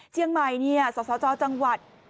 เชียงใหม่สสจจังหวัด